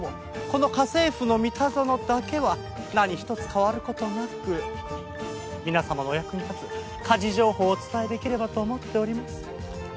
この『家政夫のミタゾノ』だけは何ひとつ変わる事なく皆様のお役に立つ家事情報をお伝えできればと思っております。